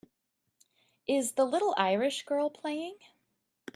Is The Little Irish Girl playing